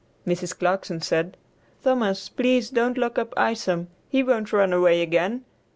Mrs. Clarkson said, "Thomas, please don't lock up Isom; he won't run away again.